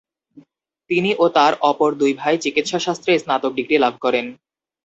তিনি ও তার অপর দুই ভাই চিকিৎসাশাস্ত্রে স্নাতক ডিগ্রী লাভ করেন।